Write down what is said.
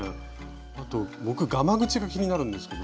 あと僕がまぐちが気になるんですけど。